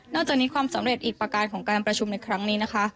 จากนี้ความสำเร็จอีกประการของการประชุมในครั้งนี้นะคะ